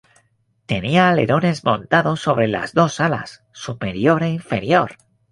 Tenía alerones montados sobre las dos alas, superior e inferior.